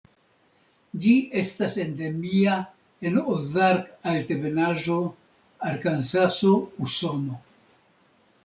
Ĝi estas endemia en Ozark-Altebenaĵo, Arkansaso, Usono.